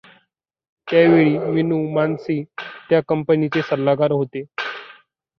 त्यावेळी मिनू मसानी त्या कंपनीचे सल्लागार होते.